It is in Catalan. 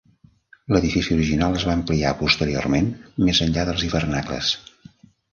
L"edifici original es va ampliar posteriorment més enllà dels hivernacles.